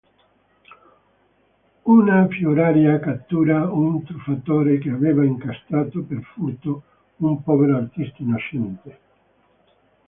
Una fioraia cattura un truffatore che aveva incastrato per furto un povero artista innocente.